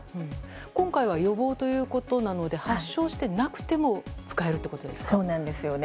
今回は予防ということなので発症してなくてもそうなんですよね。